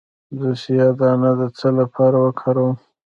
د سویا دانه د څه لپاره وکاروم؟